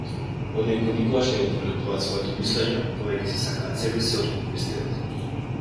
Оние кои никогаш не го повлекуваат своето мислење, повеќе се сакаат себеси отколку вистината.